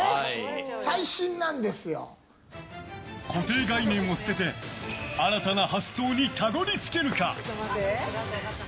固定概念を捨てて新たな発想にたどり着けるか？